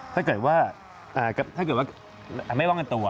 ถ้าเกิดว่าไม่ว่างกันตัว